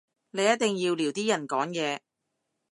你一定要撩啲人講嘢